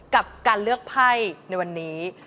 กับการเลือกไพ่ในวันนี้